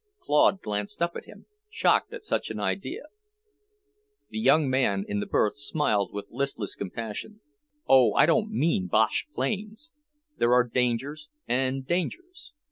Claude glanced up at him, shocked at such an idea. The young man in the berth smiled with listless compassion. "Oh, I don't mean Bosch planes! There are dangers and dangers.